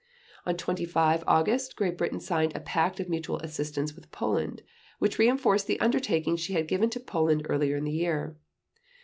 On 25 August, Great Britain signed a pact of mutual assistance with Poland, which reinforced the undertaking she had given to Poland earlier in the year.